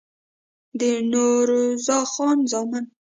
د نوروز خان زامن